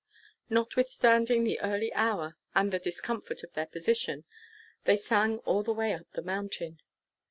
Notwithstanding the early hour, and the discomfort of their position, they sang all the way up the mountain.